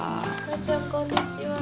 こんにちは。